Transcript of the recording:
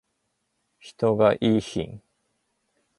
人がいーひん